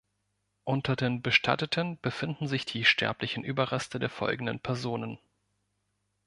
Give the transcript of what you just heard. Unter den Bestatteten befinden sich die sterblichen Überreste der folgenden Personen.